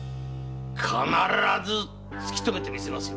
必ず突き止めてみせますよ。